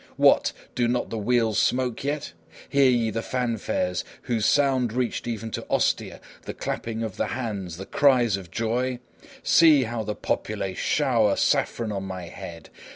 What! do not the wheels smoke yet? Hear ye the fanfares, whose sound reached even to Ostia; the clapping of the hands, the cries of joy? See how the populace shower saffron on my head!